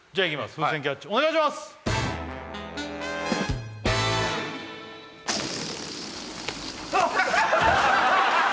風船キャッチお願いしますあっ